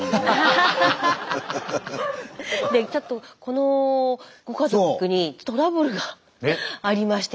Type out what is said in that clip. でちょっとこのご家族にトラブルがありまして。